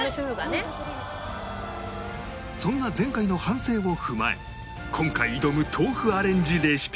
そんな前回の反省を踏まえ今回挑む豆腐アレンジレシピが